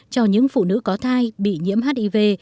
cho những phụ nữ có thai bị nhiễm hdv